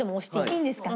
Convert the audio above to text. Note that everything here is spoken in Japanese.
いいんですか？